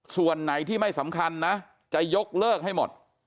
ส่วนไหนที่ไม่สำคัญนะจะยกเลิกให้หมด